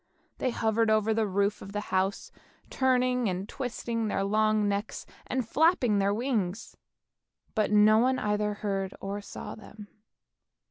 They hovered over the roof of the house, turning and twisting their long necks, and flapping their wings; but no one either heard or saw them.